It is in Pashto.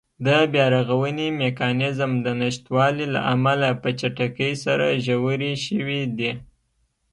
د بیا رغونې میکانېزم د نشتوالي له امله په چټکۍ سره ژورې شوې دي.